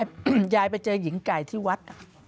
คุณยายไปเจอหญิงไก่ที่วัด